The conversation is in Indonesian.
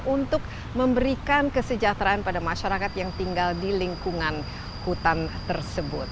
untuk memberikan kesejahteraan pada masyarakat yang tinggal di lingkungan hutan tersebut